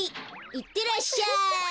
いってらっしゃい！